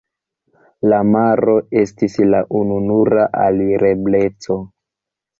La maro estis la ununura alirebleco.